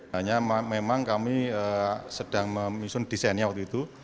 hanya memang kami sedang menyusun desainnya waktu itu